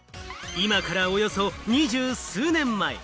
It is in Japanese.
今からおよそ２０数年前。